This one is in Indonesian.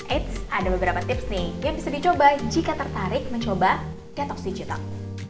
eits ada beberapa tips nih yang bisa dicoba jika tertarik mencoba detox digital